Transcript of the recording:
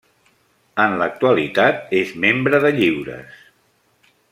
En l'actualitat, és membre de Lliures.